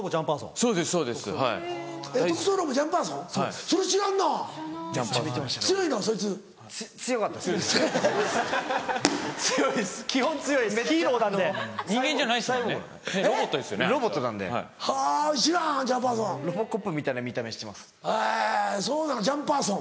そうなの『ジャンパーソン』。